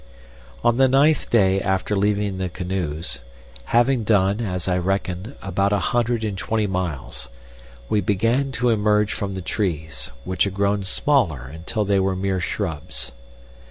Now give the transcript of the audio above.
On the ninth day after leaving the canoes, having done, as I reckon, about a hundred and twenty miles, we began to emerge from the trees, which had grown smaller until they were mere shrubs.